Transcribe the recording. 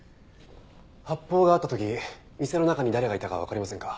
発砲があった時店の中に誰がいたかわかりませんか？